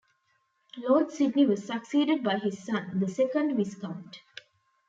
Lord Sydney was succeeded by his son, the second Viscount.